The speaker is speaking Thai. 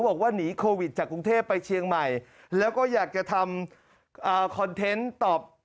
บอกว่าหนีโควิดจากกรุงเทพไปเชียงใหม่แล้วก็อยากจะทำคอนเทนต์ตอบ